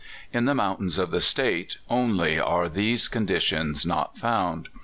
In the mountains of the State only are these con ditions not found.